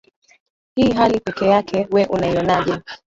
hii hali peke yake we unaionaje